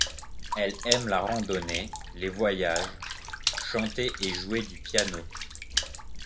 Elle aime la randonnée, les voyages, chanter et jouer du piano.